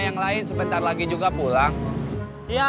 yang lain sebentar lagi juga pulang